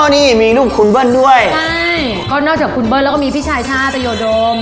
นี่มีรูปคุณเบิ้ลด้วยใช่ก็นอกจากคุณเบิ้ลแล้วก็มีพี่ชายชาติโยโดม